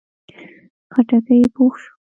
خټکی پوخ شو.